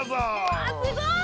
わすごい。